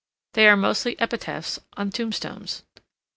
They are mostly epitaphs on tombstones.